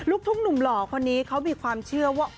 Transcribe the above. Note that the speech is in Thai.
ทุ่งหนุ่มหล่อคนนี้เขามีความเชื่อว่า